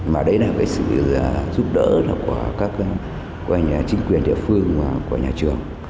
mà đấy là cái sự giúp đỡ của các chính quyền địa phương của nhà trường